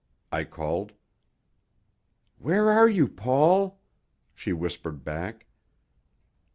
I called. "Where are you, Paul?" she whispered back.